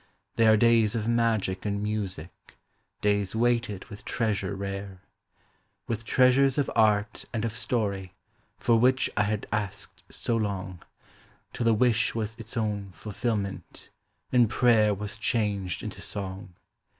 They are days of magic and music, days weighted with treasure rare ; With treasures of art and of story, for which I had asked so long, Till the wish was its own fulfilment, and prayer was changed into song.